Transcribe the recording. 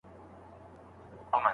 چي بد ګرځي بد به پرځي.